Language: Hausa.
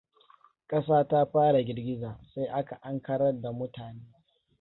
Ƙasa ta fara girgiza, sai aka ankarar da mutane.